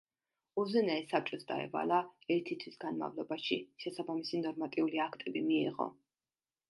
უზენაეს საბჭოს დაევალა, ერთი თვის განმავლობაში შესაბამისი ნორმატიული აქტები მიეღო.